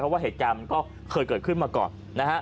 เพราะว่าเหตุการณ์มันก็เคยเกิดขึ้นมาก่อนนะฮะ